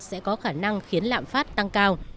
sẽ có khả năng khiến lạm phát tăng cao